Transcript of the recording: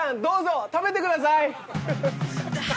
どうぞ食べてください！